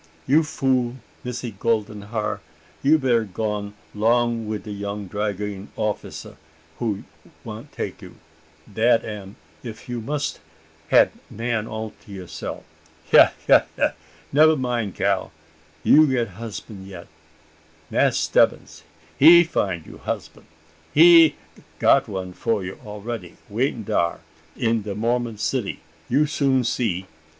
"You fool, missy' golding har? you' better gone 'long wi' de young dragoon offica who want take you dat am, if you must had man all to youseff. Yah, yah, yah! Nebba mind, gal! you get husban' yet. Mass' Stebbins he find you husban' he got one for you a'ready waitin' dar in de Mormon city; you soon see!